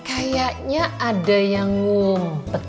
kayaknya ada yang mumpet